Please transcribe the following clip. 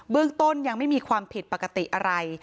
เรื่องต้นยังไม่มีความผิดปกติอะไร